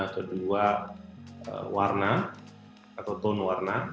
kedua warna atau tone warna